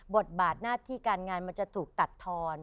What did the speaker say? บทบาทหน้าที่การงานมันจะถูกตัดทอน